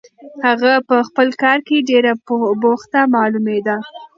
هغه په خپل کار کې ډېره بوخته معلومېدله.